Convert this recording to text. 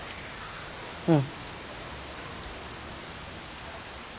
うん。